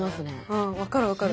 うん分かる分かる。